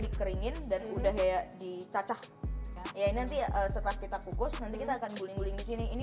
dikeringin dan udah ya dicacah ya ini nanti setelah kita kukus nanti kita akan guling guling di sini ini